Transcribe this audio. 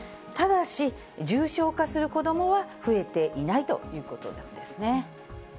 ただし、重症化する子どもは増えていないということなんですね。